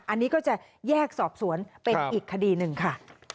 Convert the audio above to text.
อันนี้ก็จะแยกสอบสวนเป็นอีกคดีหนึ่งค่ะ